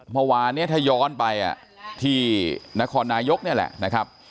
เมื่อวานนี้ถ้าย้อนไปที่นครนายกนี่แหละนะครับ